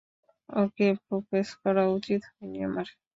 ওকে propose করা উচিত হয়নি আমার।